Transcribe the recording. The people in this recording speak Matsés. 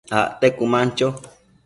acte cuëman cho